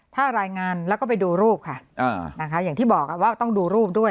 ถ้ารายงานแล้วก็ไปดูรูปค่ะนะคะอย่างที่บอกว่าต้องดูรูปด้วย